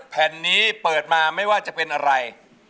แผ่นนี้เปิดมาไม่ว่าจะเป็นอะไร